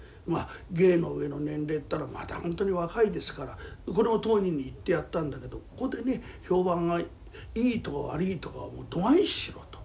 芸の上の年齢っていったらまだ本当に若いですからこれも当人に言ってやったんだけどここでね評判がいいとか悪いとかは度外視しろと。